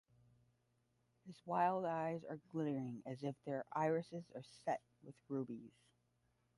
His wild eyes are glittering as if their irises are set with rubies.